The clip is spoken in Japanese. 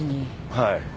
はい。